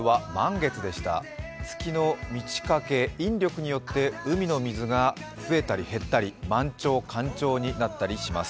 月の満ち欠け、引力によって海の水が増えたり減ったり満潮、干潮になったりします。